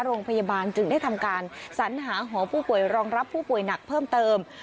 โรงพยาบาลจึงได้ทำการสัญหาหอผู้ป่วยรองรับผู้ป่วยหนักเพิ่มเติม